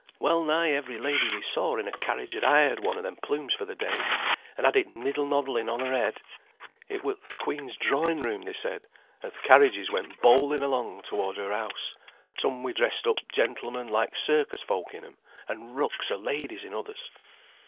Wellnigh every lady we saw in a carriage had hired one o' them plumes for the day, and had it niddle noddling on her head. It were th' Queen's Drawing room, they said, and th' carriages went bowling along toward her house, some wi' dressed up gentlemen like circus folk in 'em, and rucks o' ladies in others.